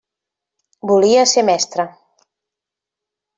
Volia ser mestre.